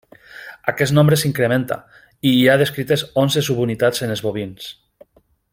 Aquest nombre s'incrementa, i hi ha descrites onze subunitats en els bovins.